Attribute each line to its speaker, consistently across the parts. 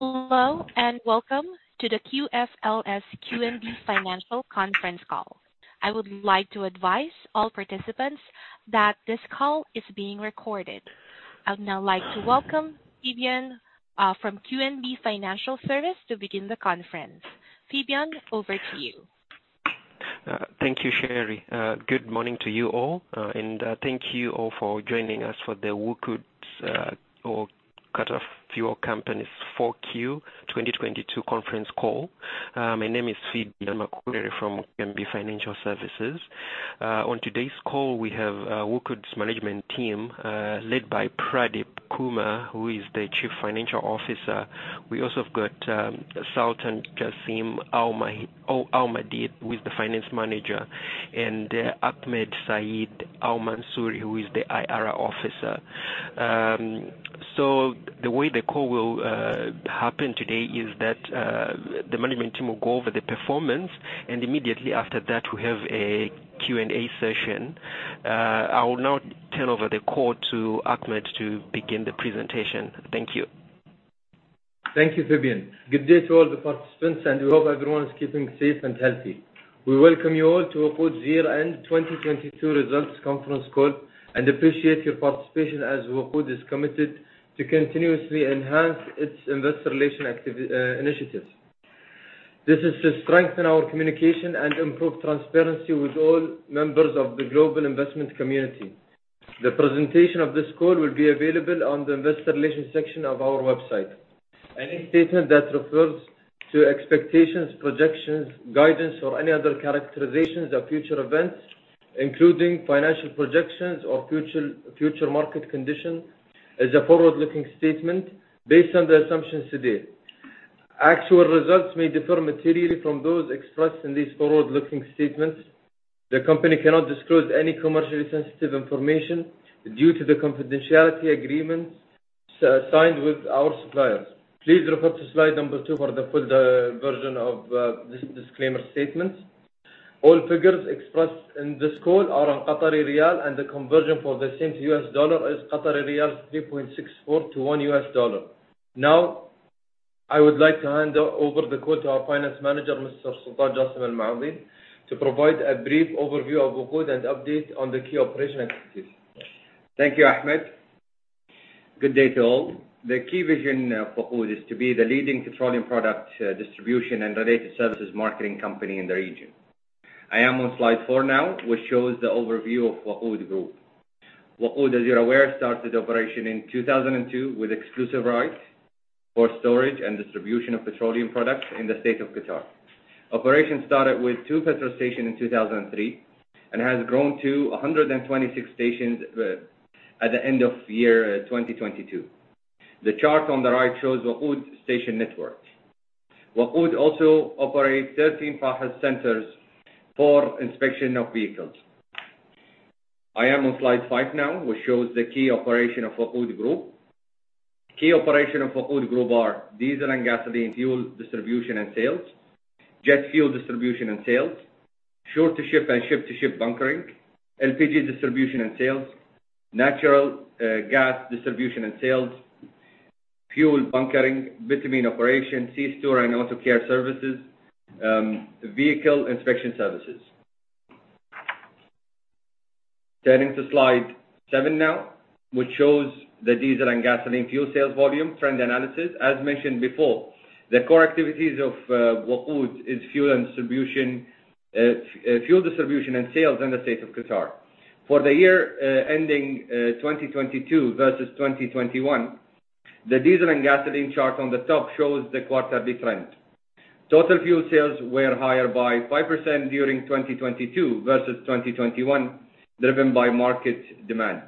Speaker 1: Hello, and welcome to the QNB FS QNB Financial Conference Call. I would like to advise all participants that this call is being recorded. I'd now like to welcome Phibion from QNB Financial Services to begin the conference. Phibion, over to you.
Speaker 2: Thank you, Sherry. Good morning to you all, and thank you all for joining us for the WOQOD's or Qatar Fuel Company's 4Q 2022 conference call. My name is Phibion Makuwerere from QNB Financial Services. On today's call, we have WOQOD's management team, led by Pradeep Kumar, who is the Chief Financial Officer. We also have got Sultan Jasim Al-Mahdi, who is the Finance Manager, and Ahmed Saeed Al-Mansouri, who is the IR Officer. The way the call will happen today is that the management team will go over the performance, and immediately after that, we have a Q&A session. I will now turn over the call to Ahmed to begin the presentation. Thank you.
Speaker 3: Thank you, Phibion. Good day to all the participants, and we hope everyone is keeping safe and healthy. We welcome you all to WOQOD's year-end 2022 results conference call and appreciate your participation as WOQOD is committed to continuously enhance its investor relation initiatives. This is to strengthen our communication and improve transparency with all members of the global investment community. The presentation of this call will be available on the investor relations section of our website. Any statement that refers to expectations, projections, guidance, or any other characterizations of future events, including financial projections or future market conditions, is a forward-looking statement based on the assumptions to date. Actual results may differ materially from those expressed in these forward-looking statements. The company cannot disclose any commercially sensitive information due to the confidentiality agreements signed with our suppliers. Please refer to slide number two for the full version of this disclaimer statement. All figures expressed in this call are on Qatari rial, and the conversion for the same to U.S. dollar is riyals 3.64 to 1 US dollar. Now, I would like to hand over the call to our Finance Manager, Mr. Sultan Jasim Al-Mahdi, to provide a brief overview of WOQOD and update on the key operation activities.
Speaker 4: Thank you, Ahmed. Good day to all. The key vision of WOQOD is to be the leading petroleum product distribution and related services marketing company in the region. I am on slide four now, which shows the overview of WOQOD Group. WOQOD, as you're aware, started operation in 2002 with exclusive rights for storage and distribution of petroleum products in the state of Qatar. Operation started with two petrol station in 2003 and has grown to 126 stations at the end of year 2022. The chart on the right shows WOQOD station network. WOQOD also operates 13 FAHES centers for inspection of vehicles. I am on slide five now, which shows the key operation of WOQOD Group. Key operation of WOQOD Group are diesel and gasoline fuel distribution and sales, jet fuel distribution and sales, shore-to-ship and ship-to-ship bunkering, LPG distribution and sales, natural gas distribution and sales, fuel bunkering, bitumen operation, c-store and autocare services, vehicle inspection services. Turning to slide seven now, which shows the diesel and gasoline fuel sales volume trend analysis. As mentioned before, the core activities of WOQOD is fuel and distribution, fuel distribution and sales in the state of Qatar. For the year ending 2022 versus 2021, the diesel and gasoline chart on the top shows the quarterly trend. Total fuel sales were higher by 5% during 2022 versus 2021, driven by market demand.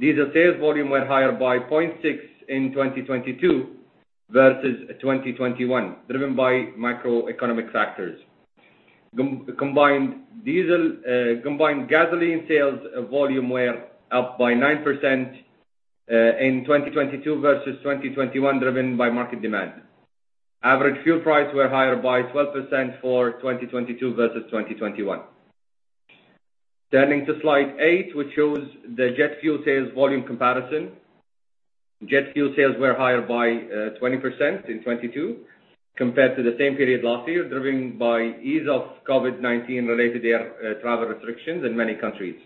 Speaker 4: Diesel sales volume were higher by 0.6% in 2022 versus 2021, driven by macroeconomic factors. Combined diesel, combined gasoline sales volume were up by 9% in 2022 versus 2021, driven by market demand. Average fuel price were higher by 12% for 2022 versus 2021. Turning to slide eight, which shows the jet fuel sales volume comparison. Jet fuel sales were higher by 20% in 2022 compared to the same period last year, driven by ease of COVID-19 related air travel restrictions in many countries.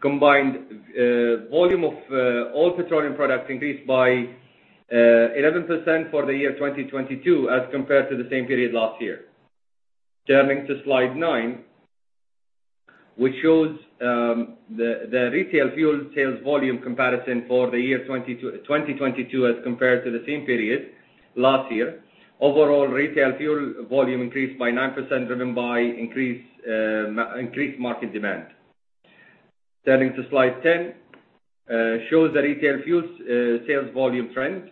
Speaker 4: Combined volume of all petroleum products increased by 11% for the year 2022 as compared to the same period last year. Turning to slide nine, which shows the retail fuel sales volume comparison for the year 2022 as compared to the same period last year. Overall, retail fuel volume increased by 9% driven by increased market demand. Turning to slide 10, shows the retail fuels sales volume trend.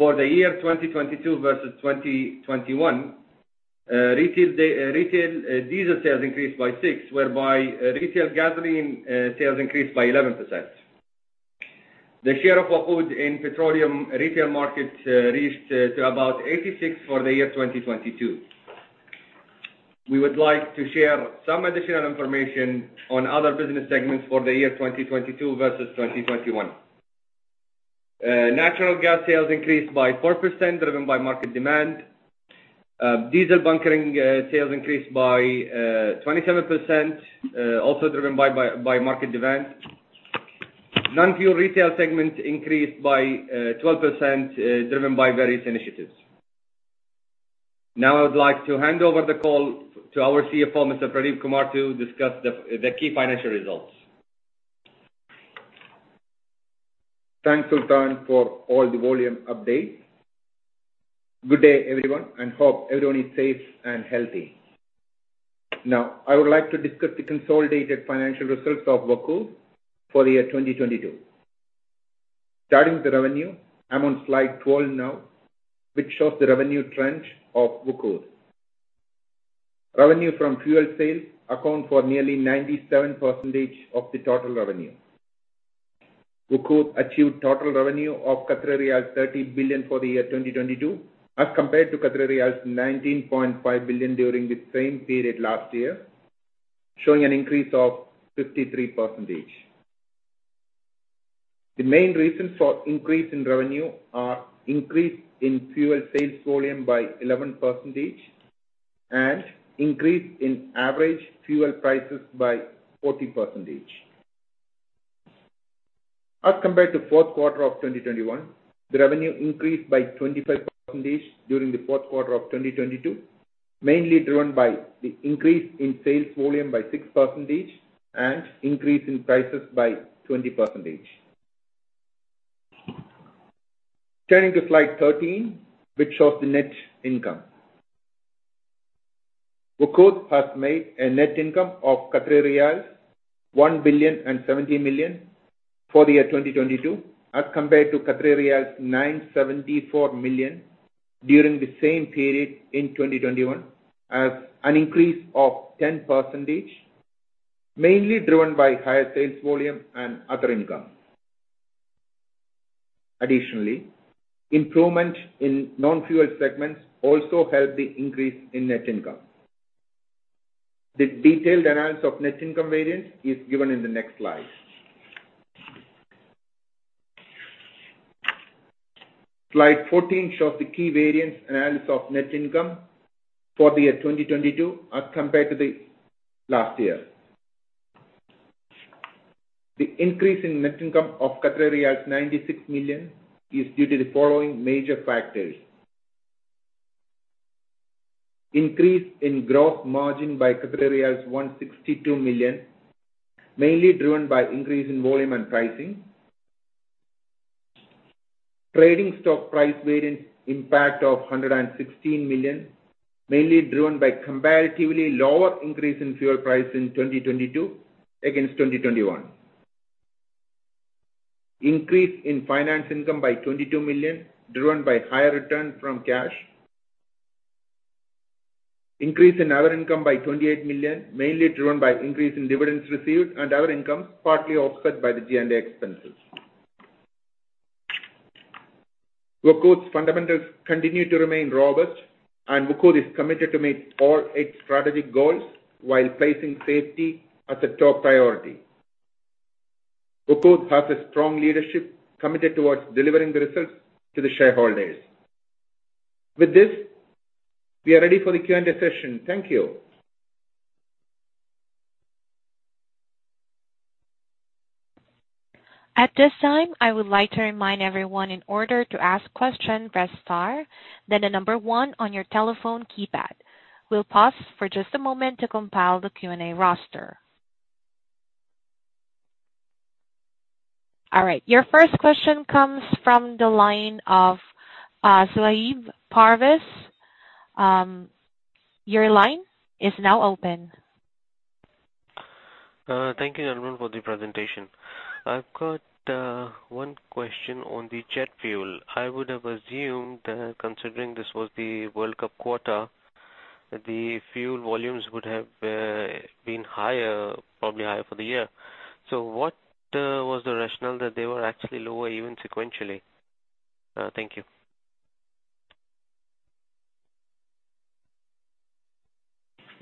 Speaker 4: For the year 2022 versus 2021, retail diesel sales increased by six, whereby, retail gasoline sales increased by 11%. The share of WOQOD in petroleum retail markets reached to about 86 for the year 2022. We would like to share some additional information on other business segments for the year 2022 versus 2021. Natural gas sales increased by 4% driven by market demand. Diesel bunkering sales increased by 27%, also driven by market demand. Non-fuel retail segment increased by 12%, driven by various initiatives. Now I would like to hand over the call to our CFO, Mr. Pradeep Kumar, to discuss the key financial results.
Speaker 5: Thanks, sultan, for all the volume update. Good day, everyone, and hope everyone is safe and healthy. Now, I would like to discuss the consolidated financial results of WOQOD for the year 2022. Starting with the revenue, I'm on slide 12 now, which shows the revenue trends of WOQOD. Revenue from fuel sales account for nearly 97% of the total revenue. WOQOD achieved total revenue of 30 billion for the year 2022, as compared to 19.5 billion during the same period last year, showing an increase of 53%. The main reason for increase in revenue are increase in fuel sales volume by 11% and increase in average fuel prices by 14%. As compared to fourth quarter of 2021, the revenue increased by 25% during the fourth quarter of 2022, mainly driven by the increase in sales volume by 6% and increase in prices by 20%. Turning to slide 13, which shows the net income. WOQOD has made a net income of riyal 1.07 billion for the year 2022, as compared to 974 million during the same period in 2021, as an increase of 10%, mainly driven by higher sales volume and other income. Additionally, improvement in non-fuel segments also helped the increase in net income. The detailed analysis of net income variance is given in the next slide. Slide 14 shows the key variance analysis of net income for the year 2022 as compared to the last year. The increase in net income of 96 million is due to the following major factors. Increase in gross margin by 162 million, mainly driven by increase in volume and pricing. Trading stock price variance impact of 116 million, mainly driven by comparatively lower increase in fuel price in 2022 against 2021. Increase in finance income by 22 million, driven by higher return from cash. Increase in other income by 28 million, mainly driven by increase in dividends received and other income, partly offset by the G&A expenses. WOQOD's fundamentals continue to remain robust, and WOQOD is committed to meet all its strategic goals while placing safety as a top priority. WOQOD has a strong leadership committed towards delivering the results to the shareholders. With this, we are ready for the Q&A session. Thank you.
Speaker 1: At this time, I would like to remind everyone in order to ask question, press star then one on your telephone keypad. We'll pause for just a moment to compile the Q&A roster. All right. Your first question comes from the line of Zohaib Pervez. Your line is now open.
Speaker 6: Thank you, gentlemen, for the presentation. I've got one question on the jet fuel. I would have assumed that considering this was the World Cup quarter, the fuel volumes would have been higher, probably higher for the year. What was the rationale that they were actually lower even sequentially? Thank you.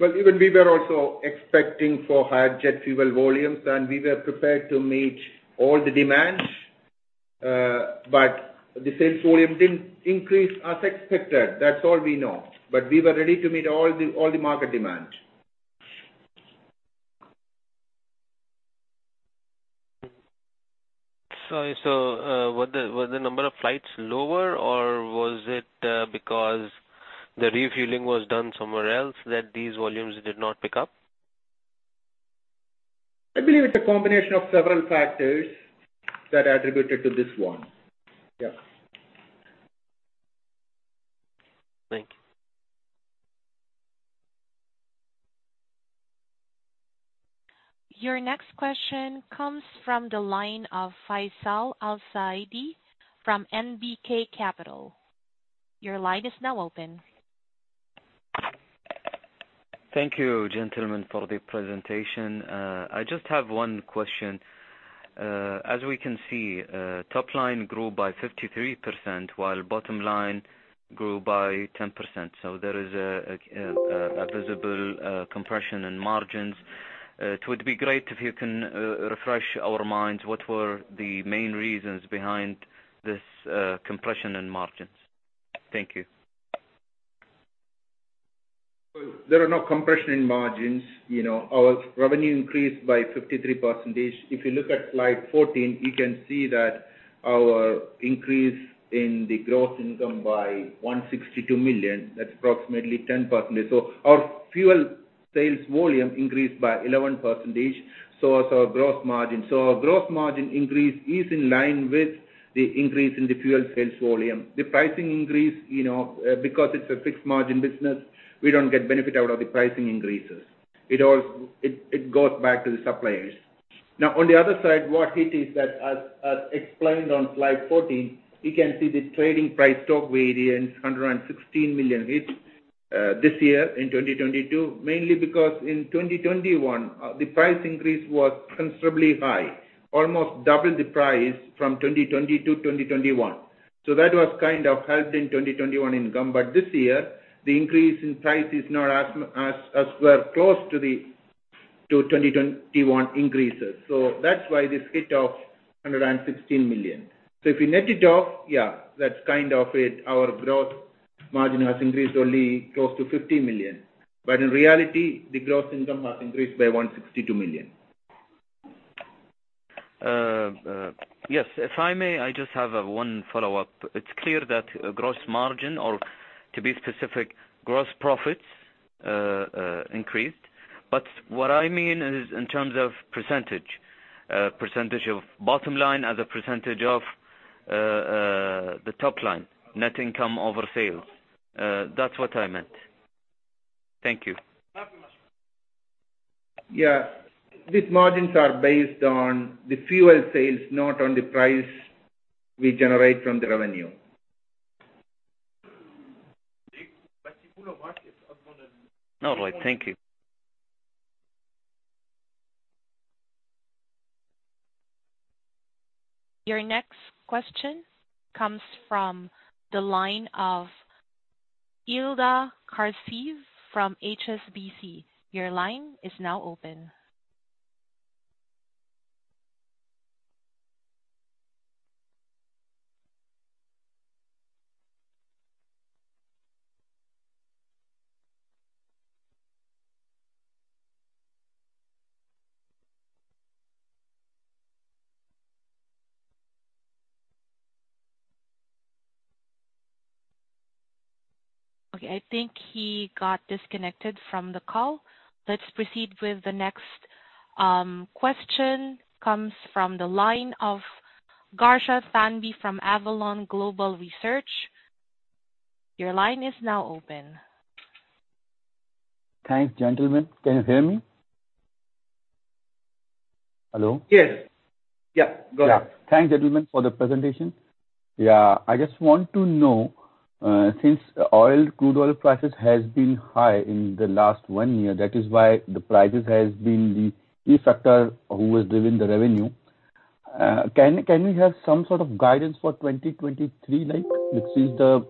Speaker 5: Well, even we were also expecting for higher jet fuel volumes, and we were prepared to meet all the demands, the sales volume didn't increase as expected. That's all we know. We were ready to meet all the market demand.
Speaker 6: Sorry. Were the number of flights lower, or was it because the refueling was done somewhere else that these volumes did not pick up?
Speaker 5: I believe it's a combination of several factors that attributed to this one. Yes.
Speaker 6: Thank you.
Speaker 1: Your next question comes from the line of Faisal Al Saidi from MBK Capital. Your line is now open.
Speaker 7: Thank you, gentlemen, for the presentation. I just have one question. As we can see, top line grew by 53%, while bottom line grew by 10%. There is a visible compression in margins. It would be great if you can refresh our minds what were the main reasons behind this compression in margins. Thank you.
Speaker 5: There are no compression in margins. You know, our revenue increased by 53%. If you look at slide 14, you can see that our increase in the gross income by 162 million, that's approximately 10%. Our fuel sales volume increased by 11%, so as our gross margin. Our gross margin increase is in line with the increase in the fuel sales volume. The pricing increase, you know, because it's a fixed margin business, we don't get benefit out of the pricing increases. It goes back to the suppliers. On the other side, what hit is that as explained on slide 14, you can see the trading price stock variance, 116 million hit this year in 2022. Because in 2021, the price increase was considerably high, almost double the price from 2020-2021. That was kind of helped in 2021 income. This year, the increase in price is not as we're close to 2021 increases. That's why this hit of 116 million. If you net it off, that's kind of it. Our gross margin has increased only close to 50 million. In reality, the gross income has increased by 162 million.
Speaker 7: Yes. If I may, I just have one follow-up. It's clear that gross margin, or to be specific, gross profits increased. What I mean is in terms of percentage of bottom line as a percentage of the top line, net income over sales. That's what I meant. Thank you.
Speaker 5: Yeah. These margins are based on the fuel sales, not on the price we generate from the revenue.
Speaker 7: All right. Thank you.
Speaker 1: Your next question comes from the line of Ilda Caci from HSBC. Your line is now open. Okay, I think he got disconnected from the call. Let's proceed with the next question. Comes from the line of Gaurav Sud from Avalon Global Research. Your line is now open.
Speaker 8: Thanks, gentlemen. Can you hear me? Hello?
Speaker 5: Yes. Yeah, go ahead.
Speaker 8: Yeah. Thanks, gentlemen, for the presentation. Yeah, I just want to know, since oil, crude oil prices has been high in the last one year, that is why the prices has been the key factor who was driven the revenue. Can we have some sort of guidance for 2023? Like, since the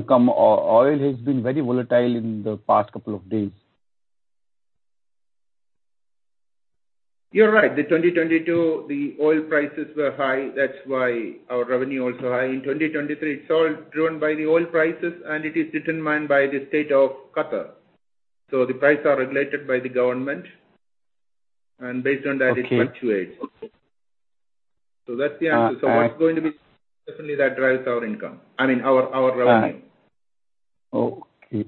Speaker 8: oil has been very volatile in the past couple of days.
Speaker 5: You're right. The 2022, the oil prices were high, that's why our revenue also high. In 2023, it's all driven by the oil prices. It is determined by the state of Qatar. The price are regulated by the government. Based on that it fluctuates.
Speaker 8: Okay.
Speaker 5: That's the answer.
Speaker 8: Uh, uh-
Speaker 5: What's going to be, definitely that drives our income, I mean, our revenue.
Speaker 8: Okay.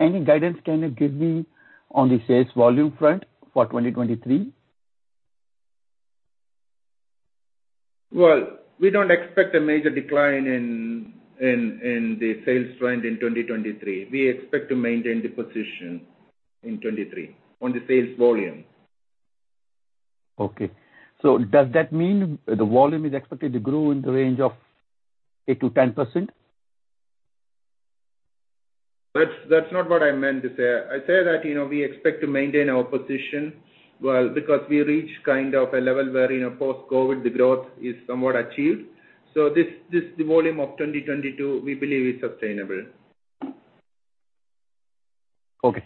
Speaker 8: Any guidance can you give me on the sales volume front for 2023?
Speaker 5: Well, we don't expect a major decline in the sales trend in 2023. We expect to maintain the position in 2023 on the sales volume.
Speaker 8: Okay. Does that mean the volume is expected to grow in the range of 8%-10%?
Speaker 5: That's not what I meant to say. I say that, you know, we expect to maintain our position, well, because we reach kind of a level where, you know, post-COVID, the growth is somewhat achieved. This volume of 2022 we believe is sustainable.
Speaker 8: Okay.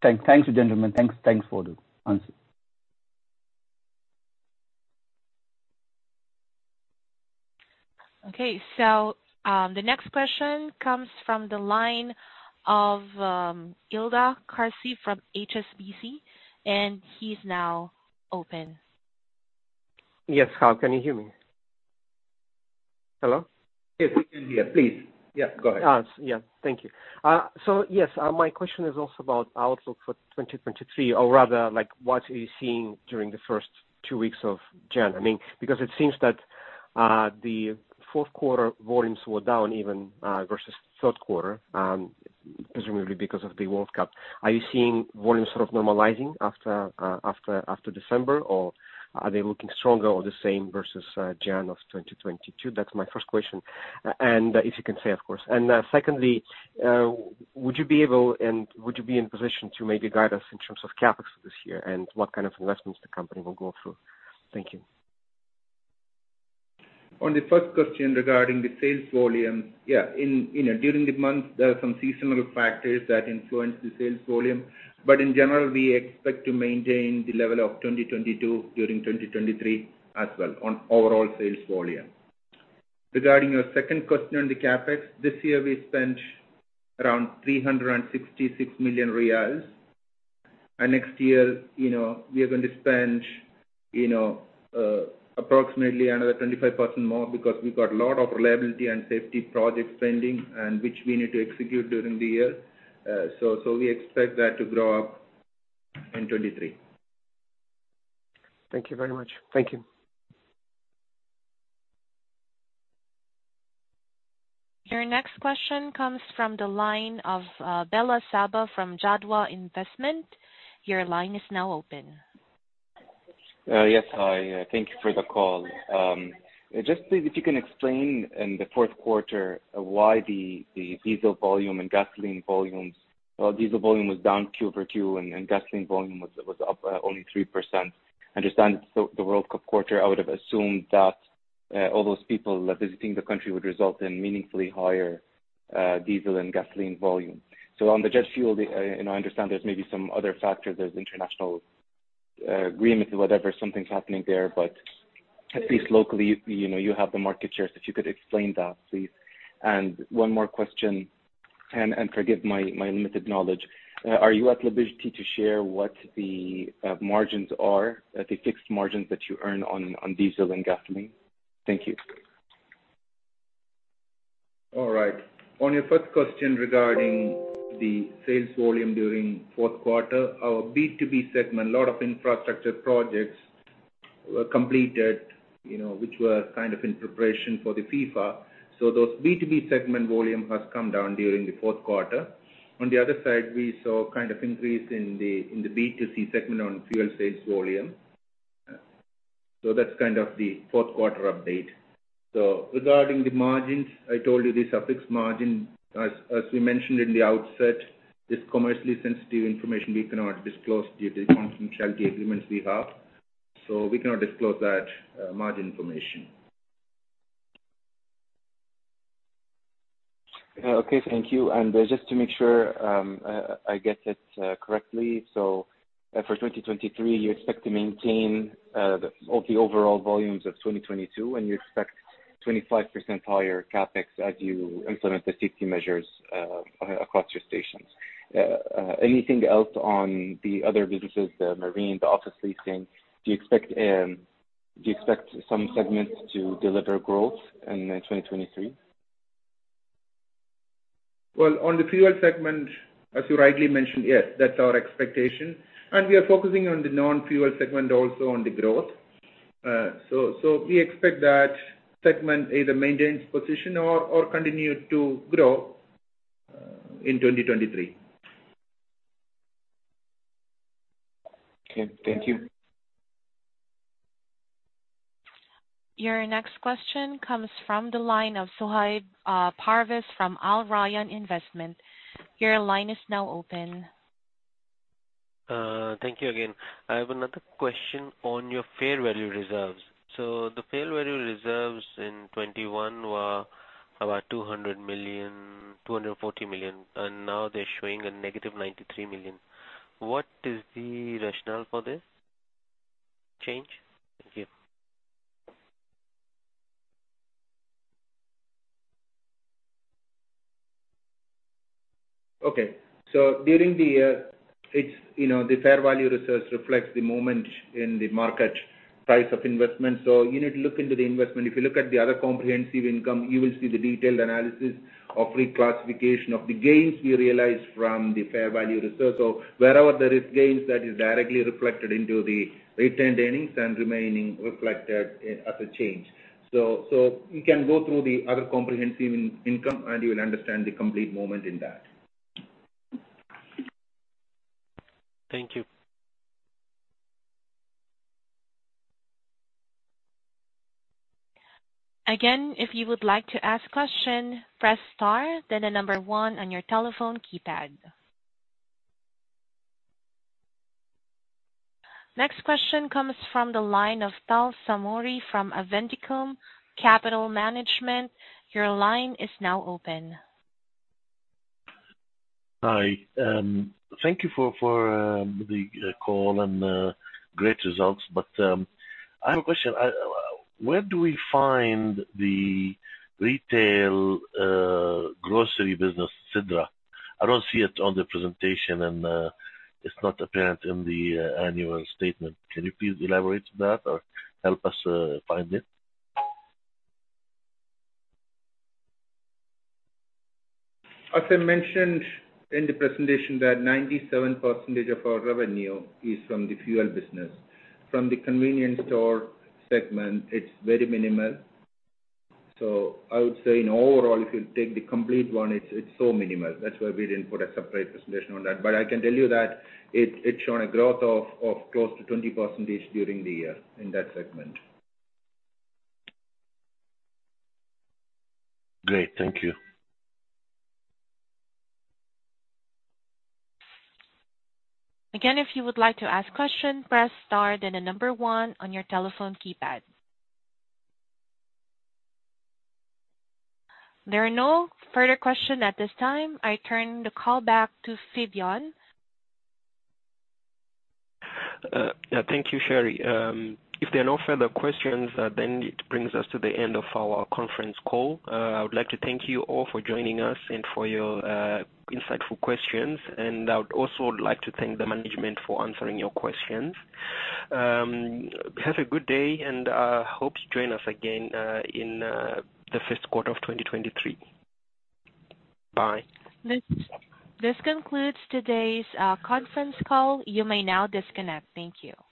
Speaker 8: Thanks, gentlemen. Thanks for the answer.
Speaker 1: Okay. The next question comes from the line of Ildar Khaziev from HSBC, and he's now open.
Speaker 9: Yes. Hi, can you hear me? Hello?
Speaker 5: Yes, we can hear. Please. Yeah, go ahead.
Speaker 9: Yeah, thank you. Yes, my question is also about outlook for 2023 or rather like what are you seeing during the first two weeks of January? I mean, because it seems that the fourth quarter volumes were down even versus third quarter, presumably because of the World Cup. Are you seeing volumes sort of normalizing after December? Or are they looking stronger or the same versus January of 2022? That's my first question. If you can say, of course. Secondly, would you be able, and would you be in position to maybe guide us in terms of CapEx this year, and what kind of investments the company will go through? Thank you.
Speaker 5: On the first question regarding the sales volume. Yeah, in during the month, there are some seasonal factors that influence the sales volume, but in general, we expect to maintain the level of 2022 during 2023 as well on overall sales volume. Regarding your second question on the CapEx, this year we spent around 366 million riyals. Next year, you know, we are going to spend, you know, approximately another 25% more because we got a lot of reliability and safety project spending and which we need to execute during the year. We expect that to grow up in 2023.
Speaker 9: Thank you very much. Thank you.
Speaker 1: Your next question comes from the line of Belal Sabhah from Jadwa Investment. Your line is now open.
Speaker 10: Yes. Hi. Thank you for the call. Just if you can explain in the fourth quarter why the diesel volume and gasoline volumes. Diesel volume was down Q-over-Q and gasoline volume was up only 3%. Understand it's the World Cup quarter, I would have assumed that all those people visiting the country would result in meaningfully higher diesel and gasoline volume. On the jet fuel, and I understand there's maybe some other factors, there's international agreements or whatever, something's happening there. At least locally, you know, you have the market share. If you could explain that, please. One more question, and forgive my limited knowledge. Are you at liberty to share what the margins are at the fixed margins that you earn on diesel and gasoline? Thank you.
Speaker 5: All right. On your first question regarding the sales volume during fourth quarter, our B2B segment, a lot of infrastructure projects were completed, you know, which were kind of in preparation for the FIFA. Those B2B segment volume has come down during the fourth quarter. On the other side, we saw kind of increase in the B2C segment on fuel sales volume. That's kind of the fourth quarter update. Regarding the margins, I told you these are fixed margin. As we mentioned in the outset, it's commercially sensitive information we cannot disclose due to the confidentiality agreements we have. We cannot disclose that margin information.
Speaker 10: Okay, thank you. Just to make sure, I get it correctly. For 2023, you expect to maintain all the overall volumes of 2022, and you expect 25% higher CapEx as you implement the safety measures across your stations. Anything else on the other businesses, the marine, the office leasing? Do you expect some segments to deliver growth in 2023?
Speaker 5: On the fuel segment, as you rightly mentioned, yes, that's our expectation. We are focusing on the non-fuel segment also on the growth. So we expect that segment either maintains position or continue to grow in 2023.
Speaker 10: Okay, thank you.
Speaker 1: Your next question comes from the line of Zohaib Pervez from Alrayan Investment. Your line is now open.
Speaker 6: Thank you again. I have another question on your fair value reserves. The fair value reserves in 2021 were about 200 million, 240 million, and now they're showing a negative 93 million. What is the rationale for this change? Thank you.
Speaker 5: During the year, it's, you know, the fair value reserves reflects the movement in the market price of investment. You need to look into the investment. If you look at the other comprehensive income, you will see the detailed analysis of reclassification of the gains we realized from the fair value reserves. Wherever there is gains that is directly reflected into the retained earnings and remaining reflected as a change. You can go through the other comprehensive income, and you will understand the complete movement in that.
Speaker 6: Thank you.
Speaker 1: If you would like to ask question, press star then the number one on your telephone keypad. Next question comes from the line of Talal Samhouri from Aventicum Capital Management. Your line is now open.
Speaker 11: Hi. Thank you for the call and great results. I have a question. Where do we find the retail grocery business Sidra? I don't see it on the presentation, and it's not apparent in the annual statement. Can you please elaborate on that or help us find it?
Speaker 5: As I mentioned in the presentation that 97% of our revenue is from the fuel business. From the convenience store segment, it's very minimal. I would say in overall, if you take the complete one, it's so minimal. That's why we didn't put a separate presentation on that. I can tell you that it's shown a growth of close to 20% during the year in that segment.
Speaker 11: Great. Thank you.
Speaker 1: Again, if you would like to ask question, press star then the one on your telephone keypad. There are no further question at this time. I turn the call back to Phibion.
Speaker 2: Thank you, Sherry. If there are no further questions, then it brings us to the end of our conference call. I would like to thank you all for joining us and for your insightful questions. I would also like to thank the management for answering your questions. Have a good day and hope to join us again in the first quarter of 2023. Bye.
Speaker 1: This concludes today's conference call. You may now disconnect. Thank you.